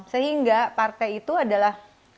sehingga partai itu adalah